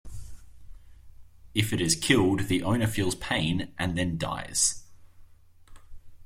If it is killed, the owner feels the pain, and then dies.